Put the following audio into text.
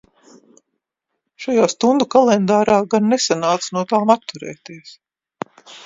Šajā "Stundu kalendārā" gan nesanāca no tām atturēties.